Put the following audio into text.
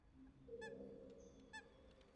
পরিচালক ছিলেন কার্তিক চট্টোপাধ্যায়।